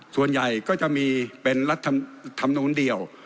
ส่วนใหญ่ก็จะมีเป็นรัฐธรรมนูลเดียว